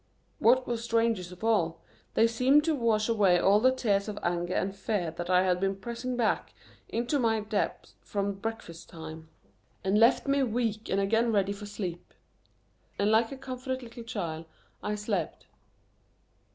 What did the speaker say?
What was strangest of all, they seemed to wash away all the tears of anger and fear that I had been pressing back into my depths from breakfast time, and left me weak and again ready for sleep. And like a comforted little child, I slept.